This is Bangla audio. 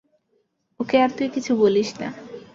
ওকে আর তুই কিছু বলিস না।